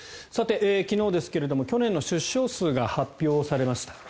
昨日、去年の出生数が発表されました。